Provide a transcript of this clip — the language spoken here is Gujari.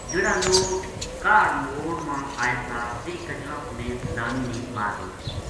جہڑا لوک کاہڈ موڑ ما آئے تھا ویہ کچراں سمیت لانی نے مار لیا